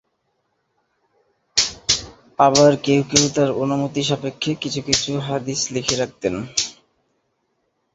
আবার কেউ কেউ তার অনুমতি সাপেক্ষে কিছু কিছু হাদীস লিখে রাখতেন।